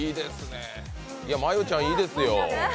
真悠ちゃんいいですよ。